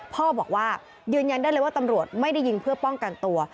พ่อบอกว่ายืนยันได้เลยว่าตำรวจไม่ได้ยิงเพื่อป้องกันตัว